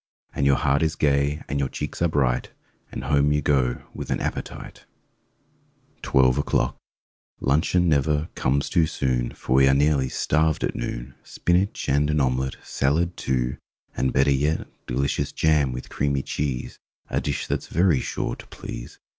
And your heart is gay and your cheeks are bright— And home you go with an appetite! 21 ELEVEN O'CLOCK 23 TWELVE O'CLOCK 1 UNCHEON never comes too soon, J Eor we are nearly starved at noon! Spinach and an omelette, Salad, too, and better yet Delicious jam with creamy cheese— A dish that's very sure to please!